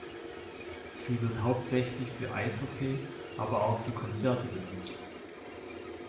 Sie wird hauptsächlich für Eishockey, aber auch für Konzerte benutzt.